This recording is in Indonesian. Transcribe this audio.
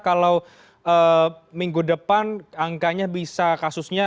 kalau minggu depan angkanya bisa kasusnya